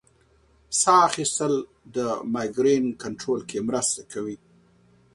ساه اخیستل د مېګرین کنټرول کې مرسته کوي.